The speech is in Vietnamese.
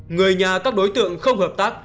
người nhà các đối tượng không hợp tác